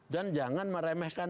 dan jangan meremehkan